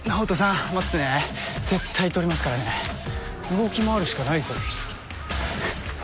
動き回るしかないぞ。